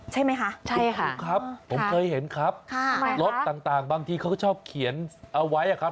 ใช่ไหมคะใช่ค่ะถูกครับผมเคยเห็นครับค่ะรถต่างบางทีเขาก็ชอบเขียนเอาไว้อะครับ